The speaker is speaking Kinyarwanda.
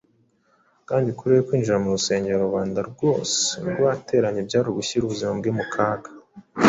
kandi kuri we kwinjira mu rusengero rubanda rwose rwateranye byari ugushyira ubuzima bwe mu kaga.